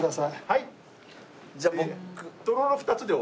はい。